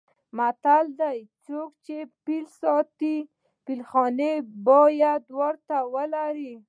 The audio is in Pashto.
متل دی: څوک چې فیل ساتي فیل خانې باید ورته ولري.